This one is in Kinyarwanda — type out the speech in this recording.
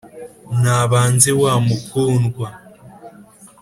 nabanze wa mukundwa